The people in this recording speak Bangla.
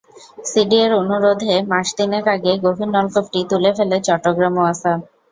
সিডিএর অনুরোধে মাস তিনেক আগে গভীর নলকূপটি তুলে ফেলে চট্টগ্রাম ওয়াসা।